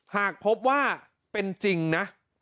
หากพบว่าเป็นจริงนะ